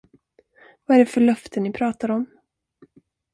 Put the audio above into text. Vad är det för löfte ni pratar om?